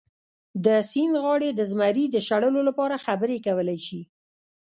د سیند غاړې د زمري د شړلو لپاره خبرې کولی شي.